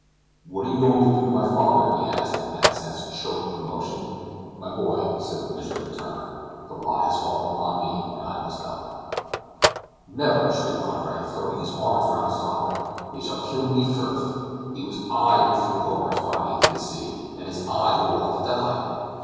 "What are you going to do to my father?" he asked in accents choked with emotion. "My boy," said M. Letourneur, "the lot has fallen upon me, and I must die!" "Never!" shrieked Andre, throwing his arms about his father. "They shall kill me first. It was I who threw Hobart's body into the sea, and it is I who ought to die!"